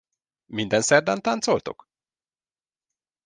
Minden szerdán táncoltok?